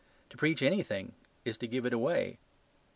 To preach anything is to give it away.